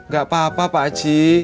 gak apa apa pak haji